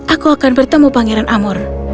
aku akan bertemu pangeran amur